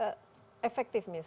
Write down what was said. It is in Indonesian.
seberapa efektif misalnya